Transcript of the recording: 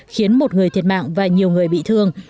khiến một người thiệt mạng và nhiều người bị thương